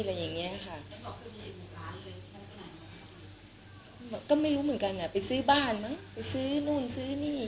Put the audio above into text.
อะไรอย่างเงี้ยค่ะก็ไม่รู้เหมือนกันอ่ะไปซื้อบ้านมั้งไปซื้อนู่นซื้อนี่